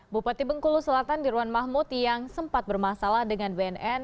bupati bengkulu selatan dirwan mahmud yang sempat bermasalah dengan bnn